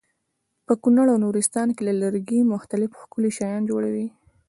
په کونړ او نورستان کې له لرګي مختلف ښکلي شیان جوړوي.